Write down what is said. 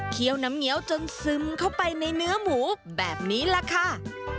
เคี่ยวน้ำเหงียวจนซึมเข้าไปในเนื้อหมูแบบนี้ล่ะค่ะ